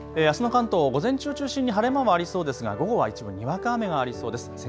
あすの関東、午前中を中心に晴れ間はありそうですが午後は一部にわか雨がありそうです。